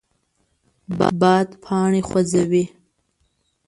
باد پاڼې خوځوي